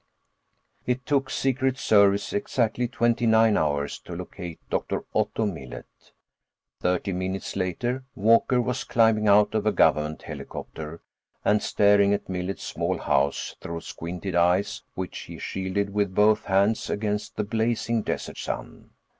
_———— It took the Secret Service exactly twenty nine hours to locate Dr. Otto Millet. Thirty minutes later, Walker was climbing out of a government helicopter and staring at Millet's small house through squinted eyes which he shielded with both hands against the blazing desert sun.